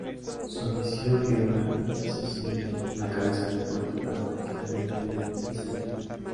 Su ambición vio en Sicilia una cabeza de puente para conquistar el Imperio bizantino.